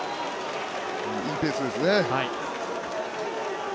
いいペースですね。